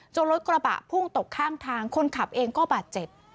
รถกระบะพุ่งตกข้างทางคนขับเองก็บาดเจ็บ